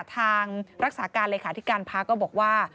ทางรักษาการเลยค่ะที่การพักก็บอกว่า